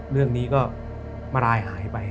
เรื่องนี้ก็มารายหายไป